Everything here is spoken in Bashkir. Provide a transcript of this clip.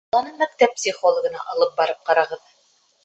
Баланы мәктәп психологына алып барып ҡарағыҙ.